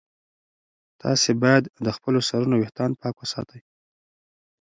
تاسي باید د خپلو سرونو ویښتان پاک وساتئ.